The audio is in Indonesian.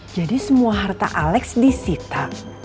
jadi semua harta alex disita